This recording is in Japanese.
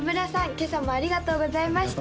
今朝もありがとうございました